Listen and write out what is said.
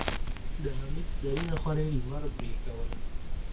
د حميد زرينه خولۍ لمر برېښوله.